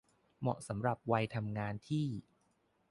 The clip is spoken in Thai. เหมาะสำหรับวัยทำงานที่